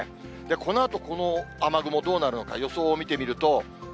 このあと、この雨雲どうなるのか、予想を見てみると。